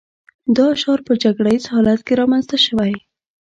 دا شعار په جګړه ییز حالت کې رامنځته شوی و